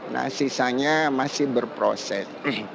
nah sisanya masih berproses